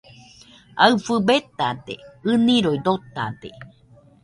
Aɨfɨ betade, ɨniroi dotade